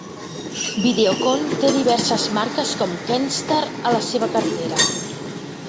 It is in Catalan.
Videocon té diverses marques com Kenstar a la seva cartera.